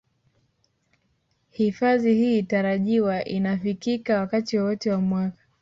Hifadhi hii tarajiwa inafikika wakati wowote wa mwaka